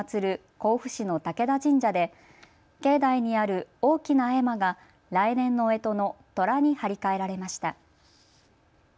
甲府市の武田神社で境内にある大きな絵馬が来年のえとの、とらに貼り替えられました。